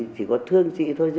chỉ có thương chị thôi